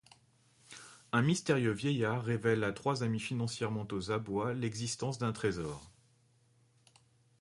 Un mystérieux vieillard révèle à trois amis financièrement aux abois l'existence d'un trésor.